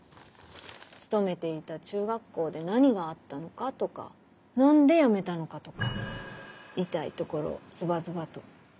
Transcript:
勤めていた中学校で何があったのかとか何で辞めたのかとか痛い所をズバズバと。